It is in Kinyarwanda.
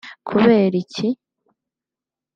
Kubera iki